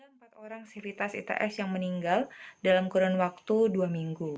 ada empat orang siritas its yang meninggal dalam kurun waktu dua minggu